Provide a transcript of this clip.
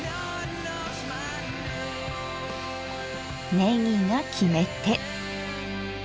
ねぎが決め手。